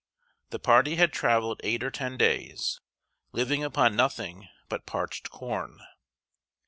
The party had traveled eight or ten days, living upon nothing but parched corn.